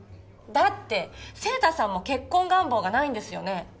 だって晴太さんも結婚願望がないんですよね？